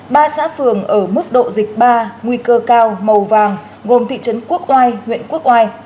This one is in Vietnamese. ba xã phường ở mức độ dịch ba nguy cơ cao màu vàng gồm thị trấn quốc oai huyện quốc oai